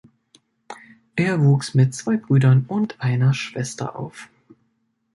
Er wuchs mit zwei Brüdern und einer Schwester auf.